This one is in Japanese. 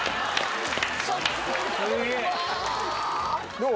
どう？